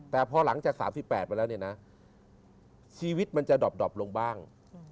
แต่พอหลังจาก๓๘ไปแล้วเนี่ยนะชีวิตมันจะดอบลงบ้าง